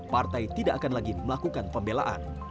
partai tidak akan lagi melakukan pembelaan